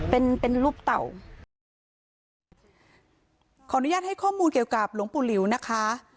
เป็นเป็นรูปเต่าขออนุญาตให้ข้อมูลเกี่ยวกับหลวงปู่หลิวนะคะ